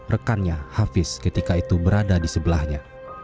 rekannya hafiz ketika itu berada di sebelahnya